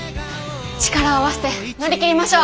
力を合わせて乗り切りましょう！